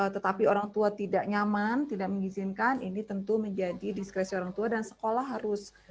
tetapi orangtua tidak nyaman tidak mengizinkan ini tentu menjadi diskresi orangtua dan sekolah harus